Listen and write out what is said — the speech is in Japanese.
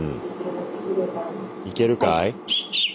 いけるかい？